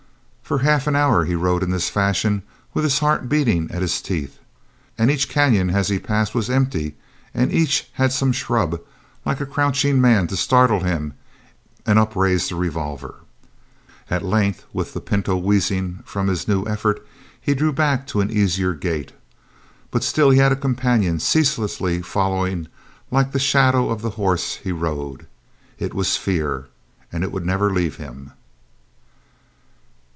For half an hour he rode in this fashion with his heart beating at his teeth. And each canyon as he passed was empty, and each had some shrub, like a crouching man, to startle him and upraise the revolver. At length, with the pinto wheezing from this new effort, he drew back to an easier gait. But still he had a companion ceaselessly following like the shadow of the horse he rode. It was fear, and it would never leave him.